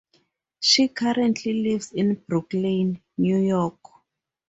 She currently lives in Brooklyn, New York.